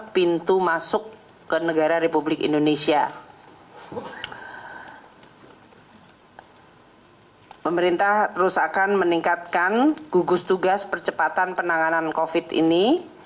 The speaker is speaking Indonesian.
pemerintah terus akan meningkatkan gugus tugas percepatan penanganan covid sembilan belas ini